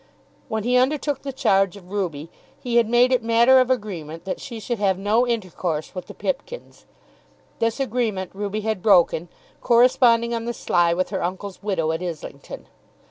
When he undertook the charge of Ruby he had made it matter of agreement that she should have no intercourse with the Pipkins. This agreement Ruby had broken, corresponding on the sly with her uncle's widow at Islington.